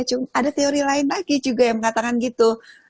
cuma ada teori lain lagi juga yang mengatakan gitu